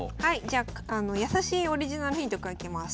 じゃあ易しいオリジナルヒントからいきます。